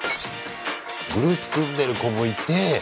グループ組んでる子もいて。